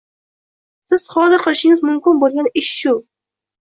Siz hozir qilishingiz mumkin bo’lgan ish shu.